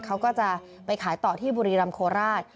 เขาก็จะไปขายต่อที่บุรีรำโคราช